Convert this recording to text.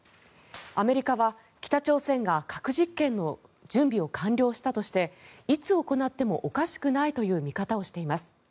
アメリカは北朝鮮が核実験の準備を完了したとしていつ行ってもおかしくないという見方をしています。